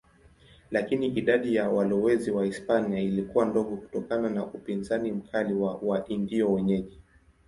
Lakini idadi ya walowezi Wahispania ilikuwa ndogo kutokana na upinzani mkali wa Waindio wenyeji.